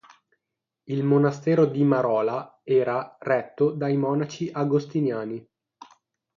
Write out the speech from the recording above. Il monastero di Marola era retto dai monaci agostiniani.